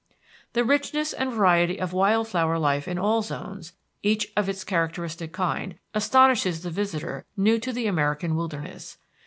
The richness and variety of wild flower life in all zones, each of its characteristic kind, astonishes the visitor new to the American wilderness.